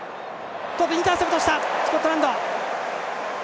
インターセプトしたスコットランド！